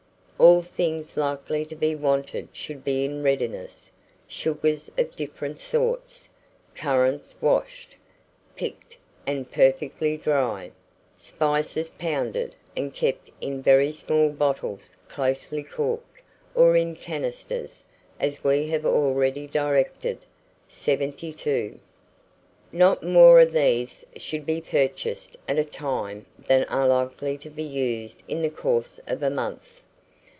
All things likely to be wanted should be in readiness: sugars of different sorts; currants washed, picked, and perfectly dry; spices pounded, and kept in very small bottles closely corked, or in canisters, as we have already directed (72). Not more of these should be purchased at a time than are likely to be used in the course of a month.